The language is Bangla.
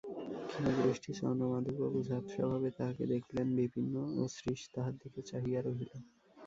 ক্ষীণদৃষ্টি চন্দ্রমাধববাবু ঝাপসাভাবে তাহাকে দেখিলেন– বিপিন ও শ্রীশ তাহার দিকে চাহিয়া রহিল।